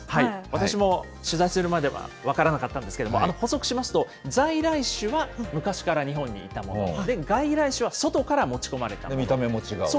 私も取材するまでは分からなかったんですけれども、補足しますと、在来種は昔から日本にいたもの、外来種は外から持ち込まれたもの。